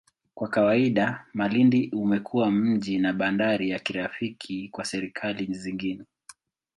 Kwa kawaida, Malindi umekuwa mji na bandari ya kirafiki kwa serikali zingine.